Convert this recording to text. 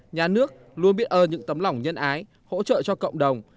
nhà nước luôn biết ơ những tấm lòng nhân ái hỗ trợ cho cộng đồng